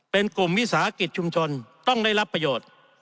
เป็นกลุ่มวิสาหกิจชุมชนต้องได้รับประโยชน์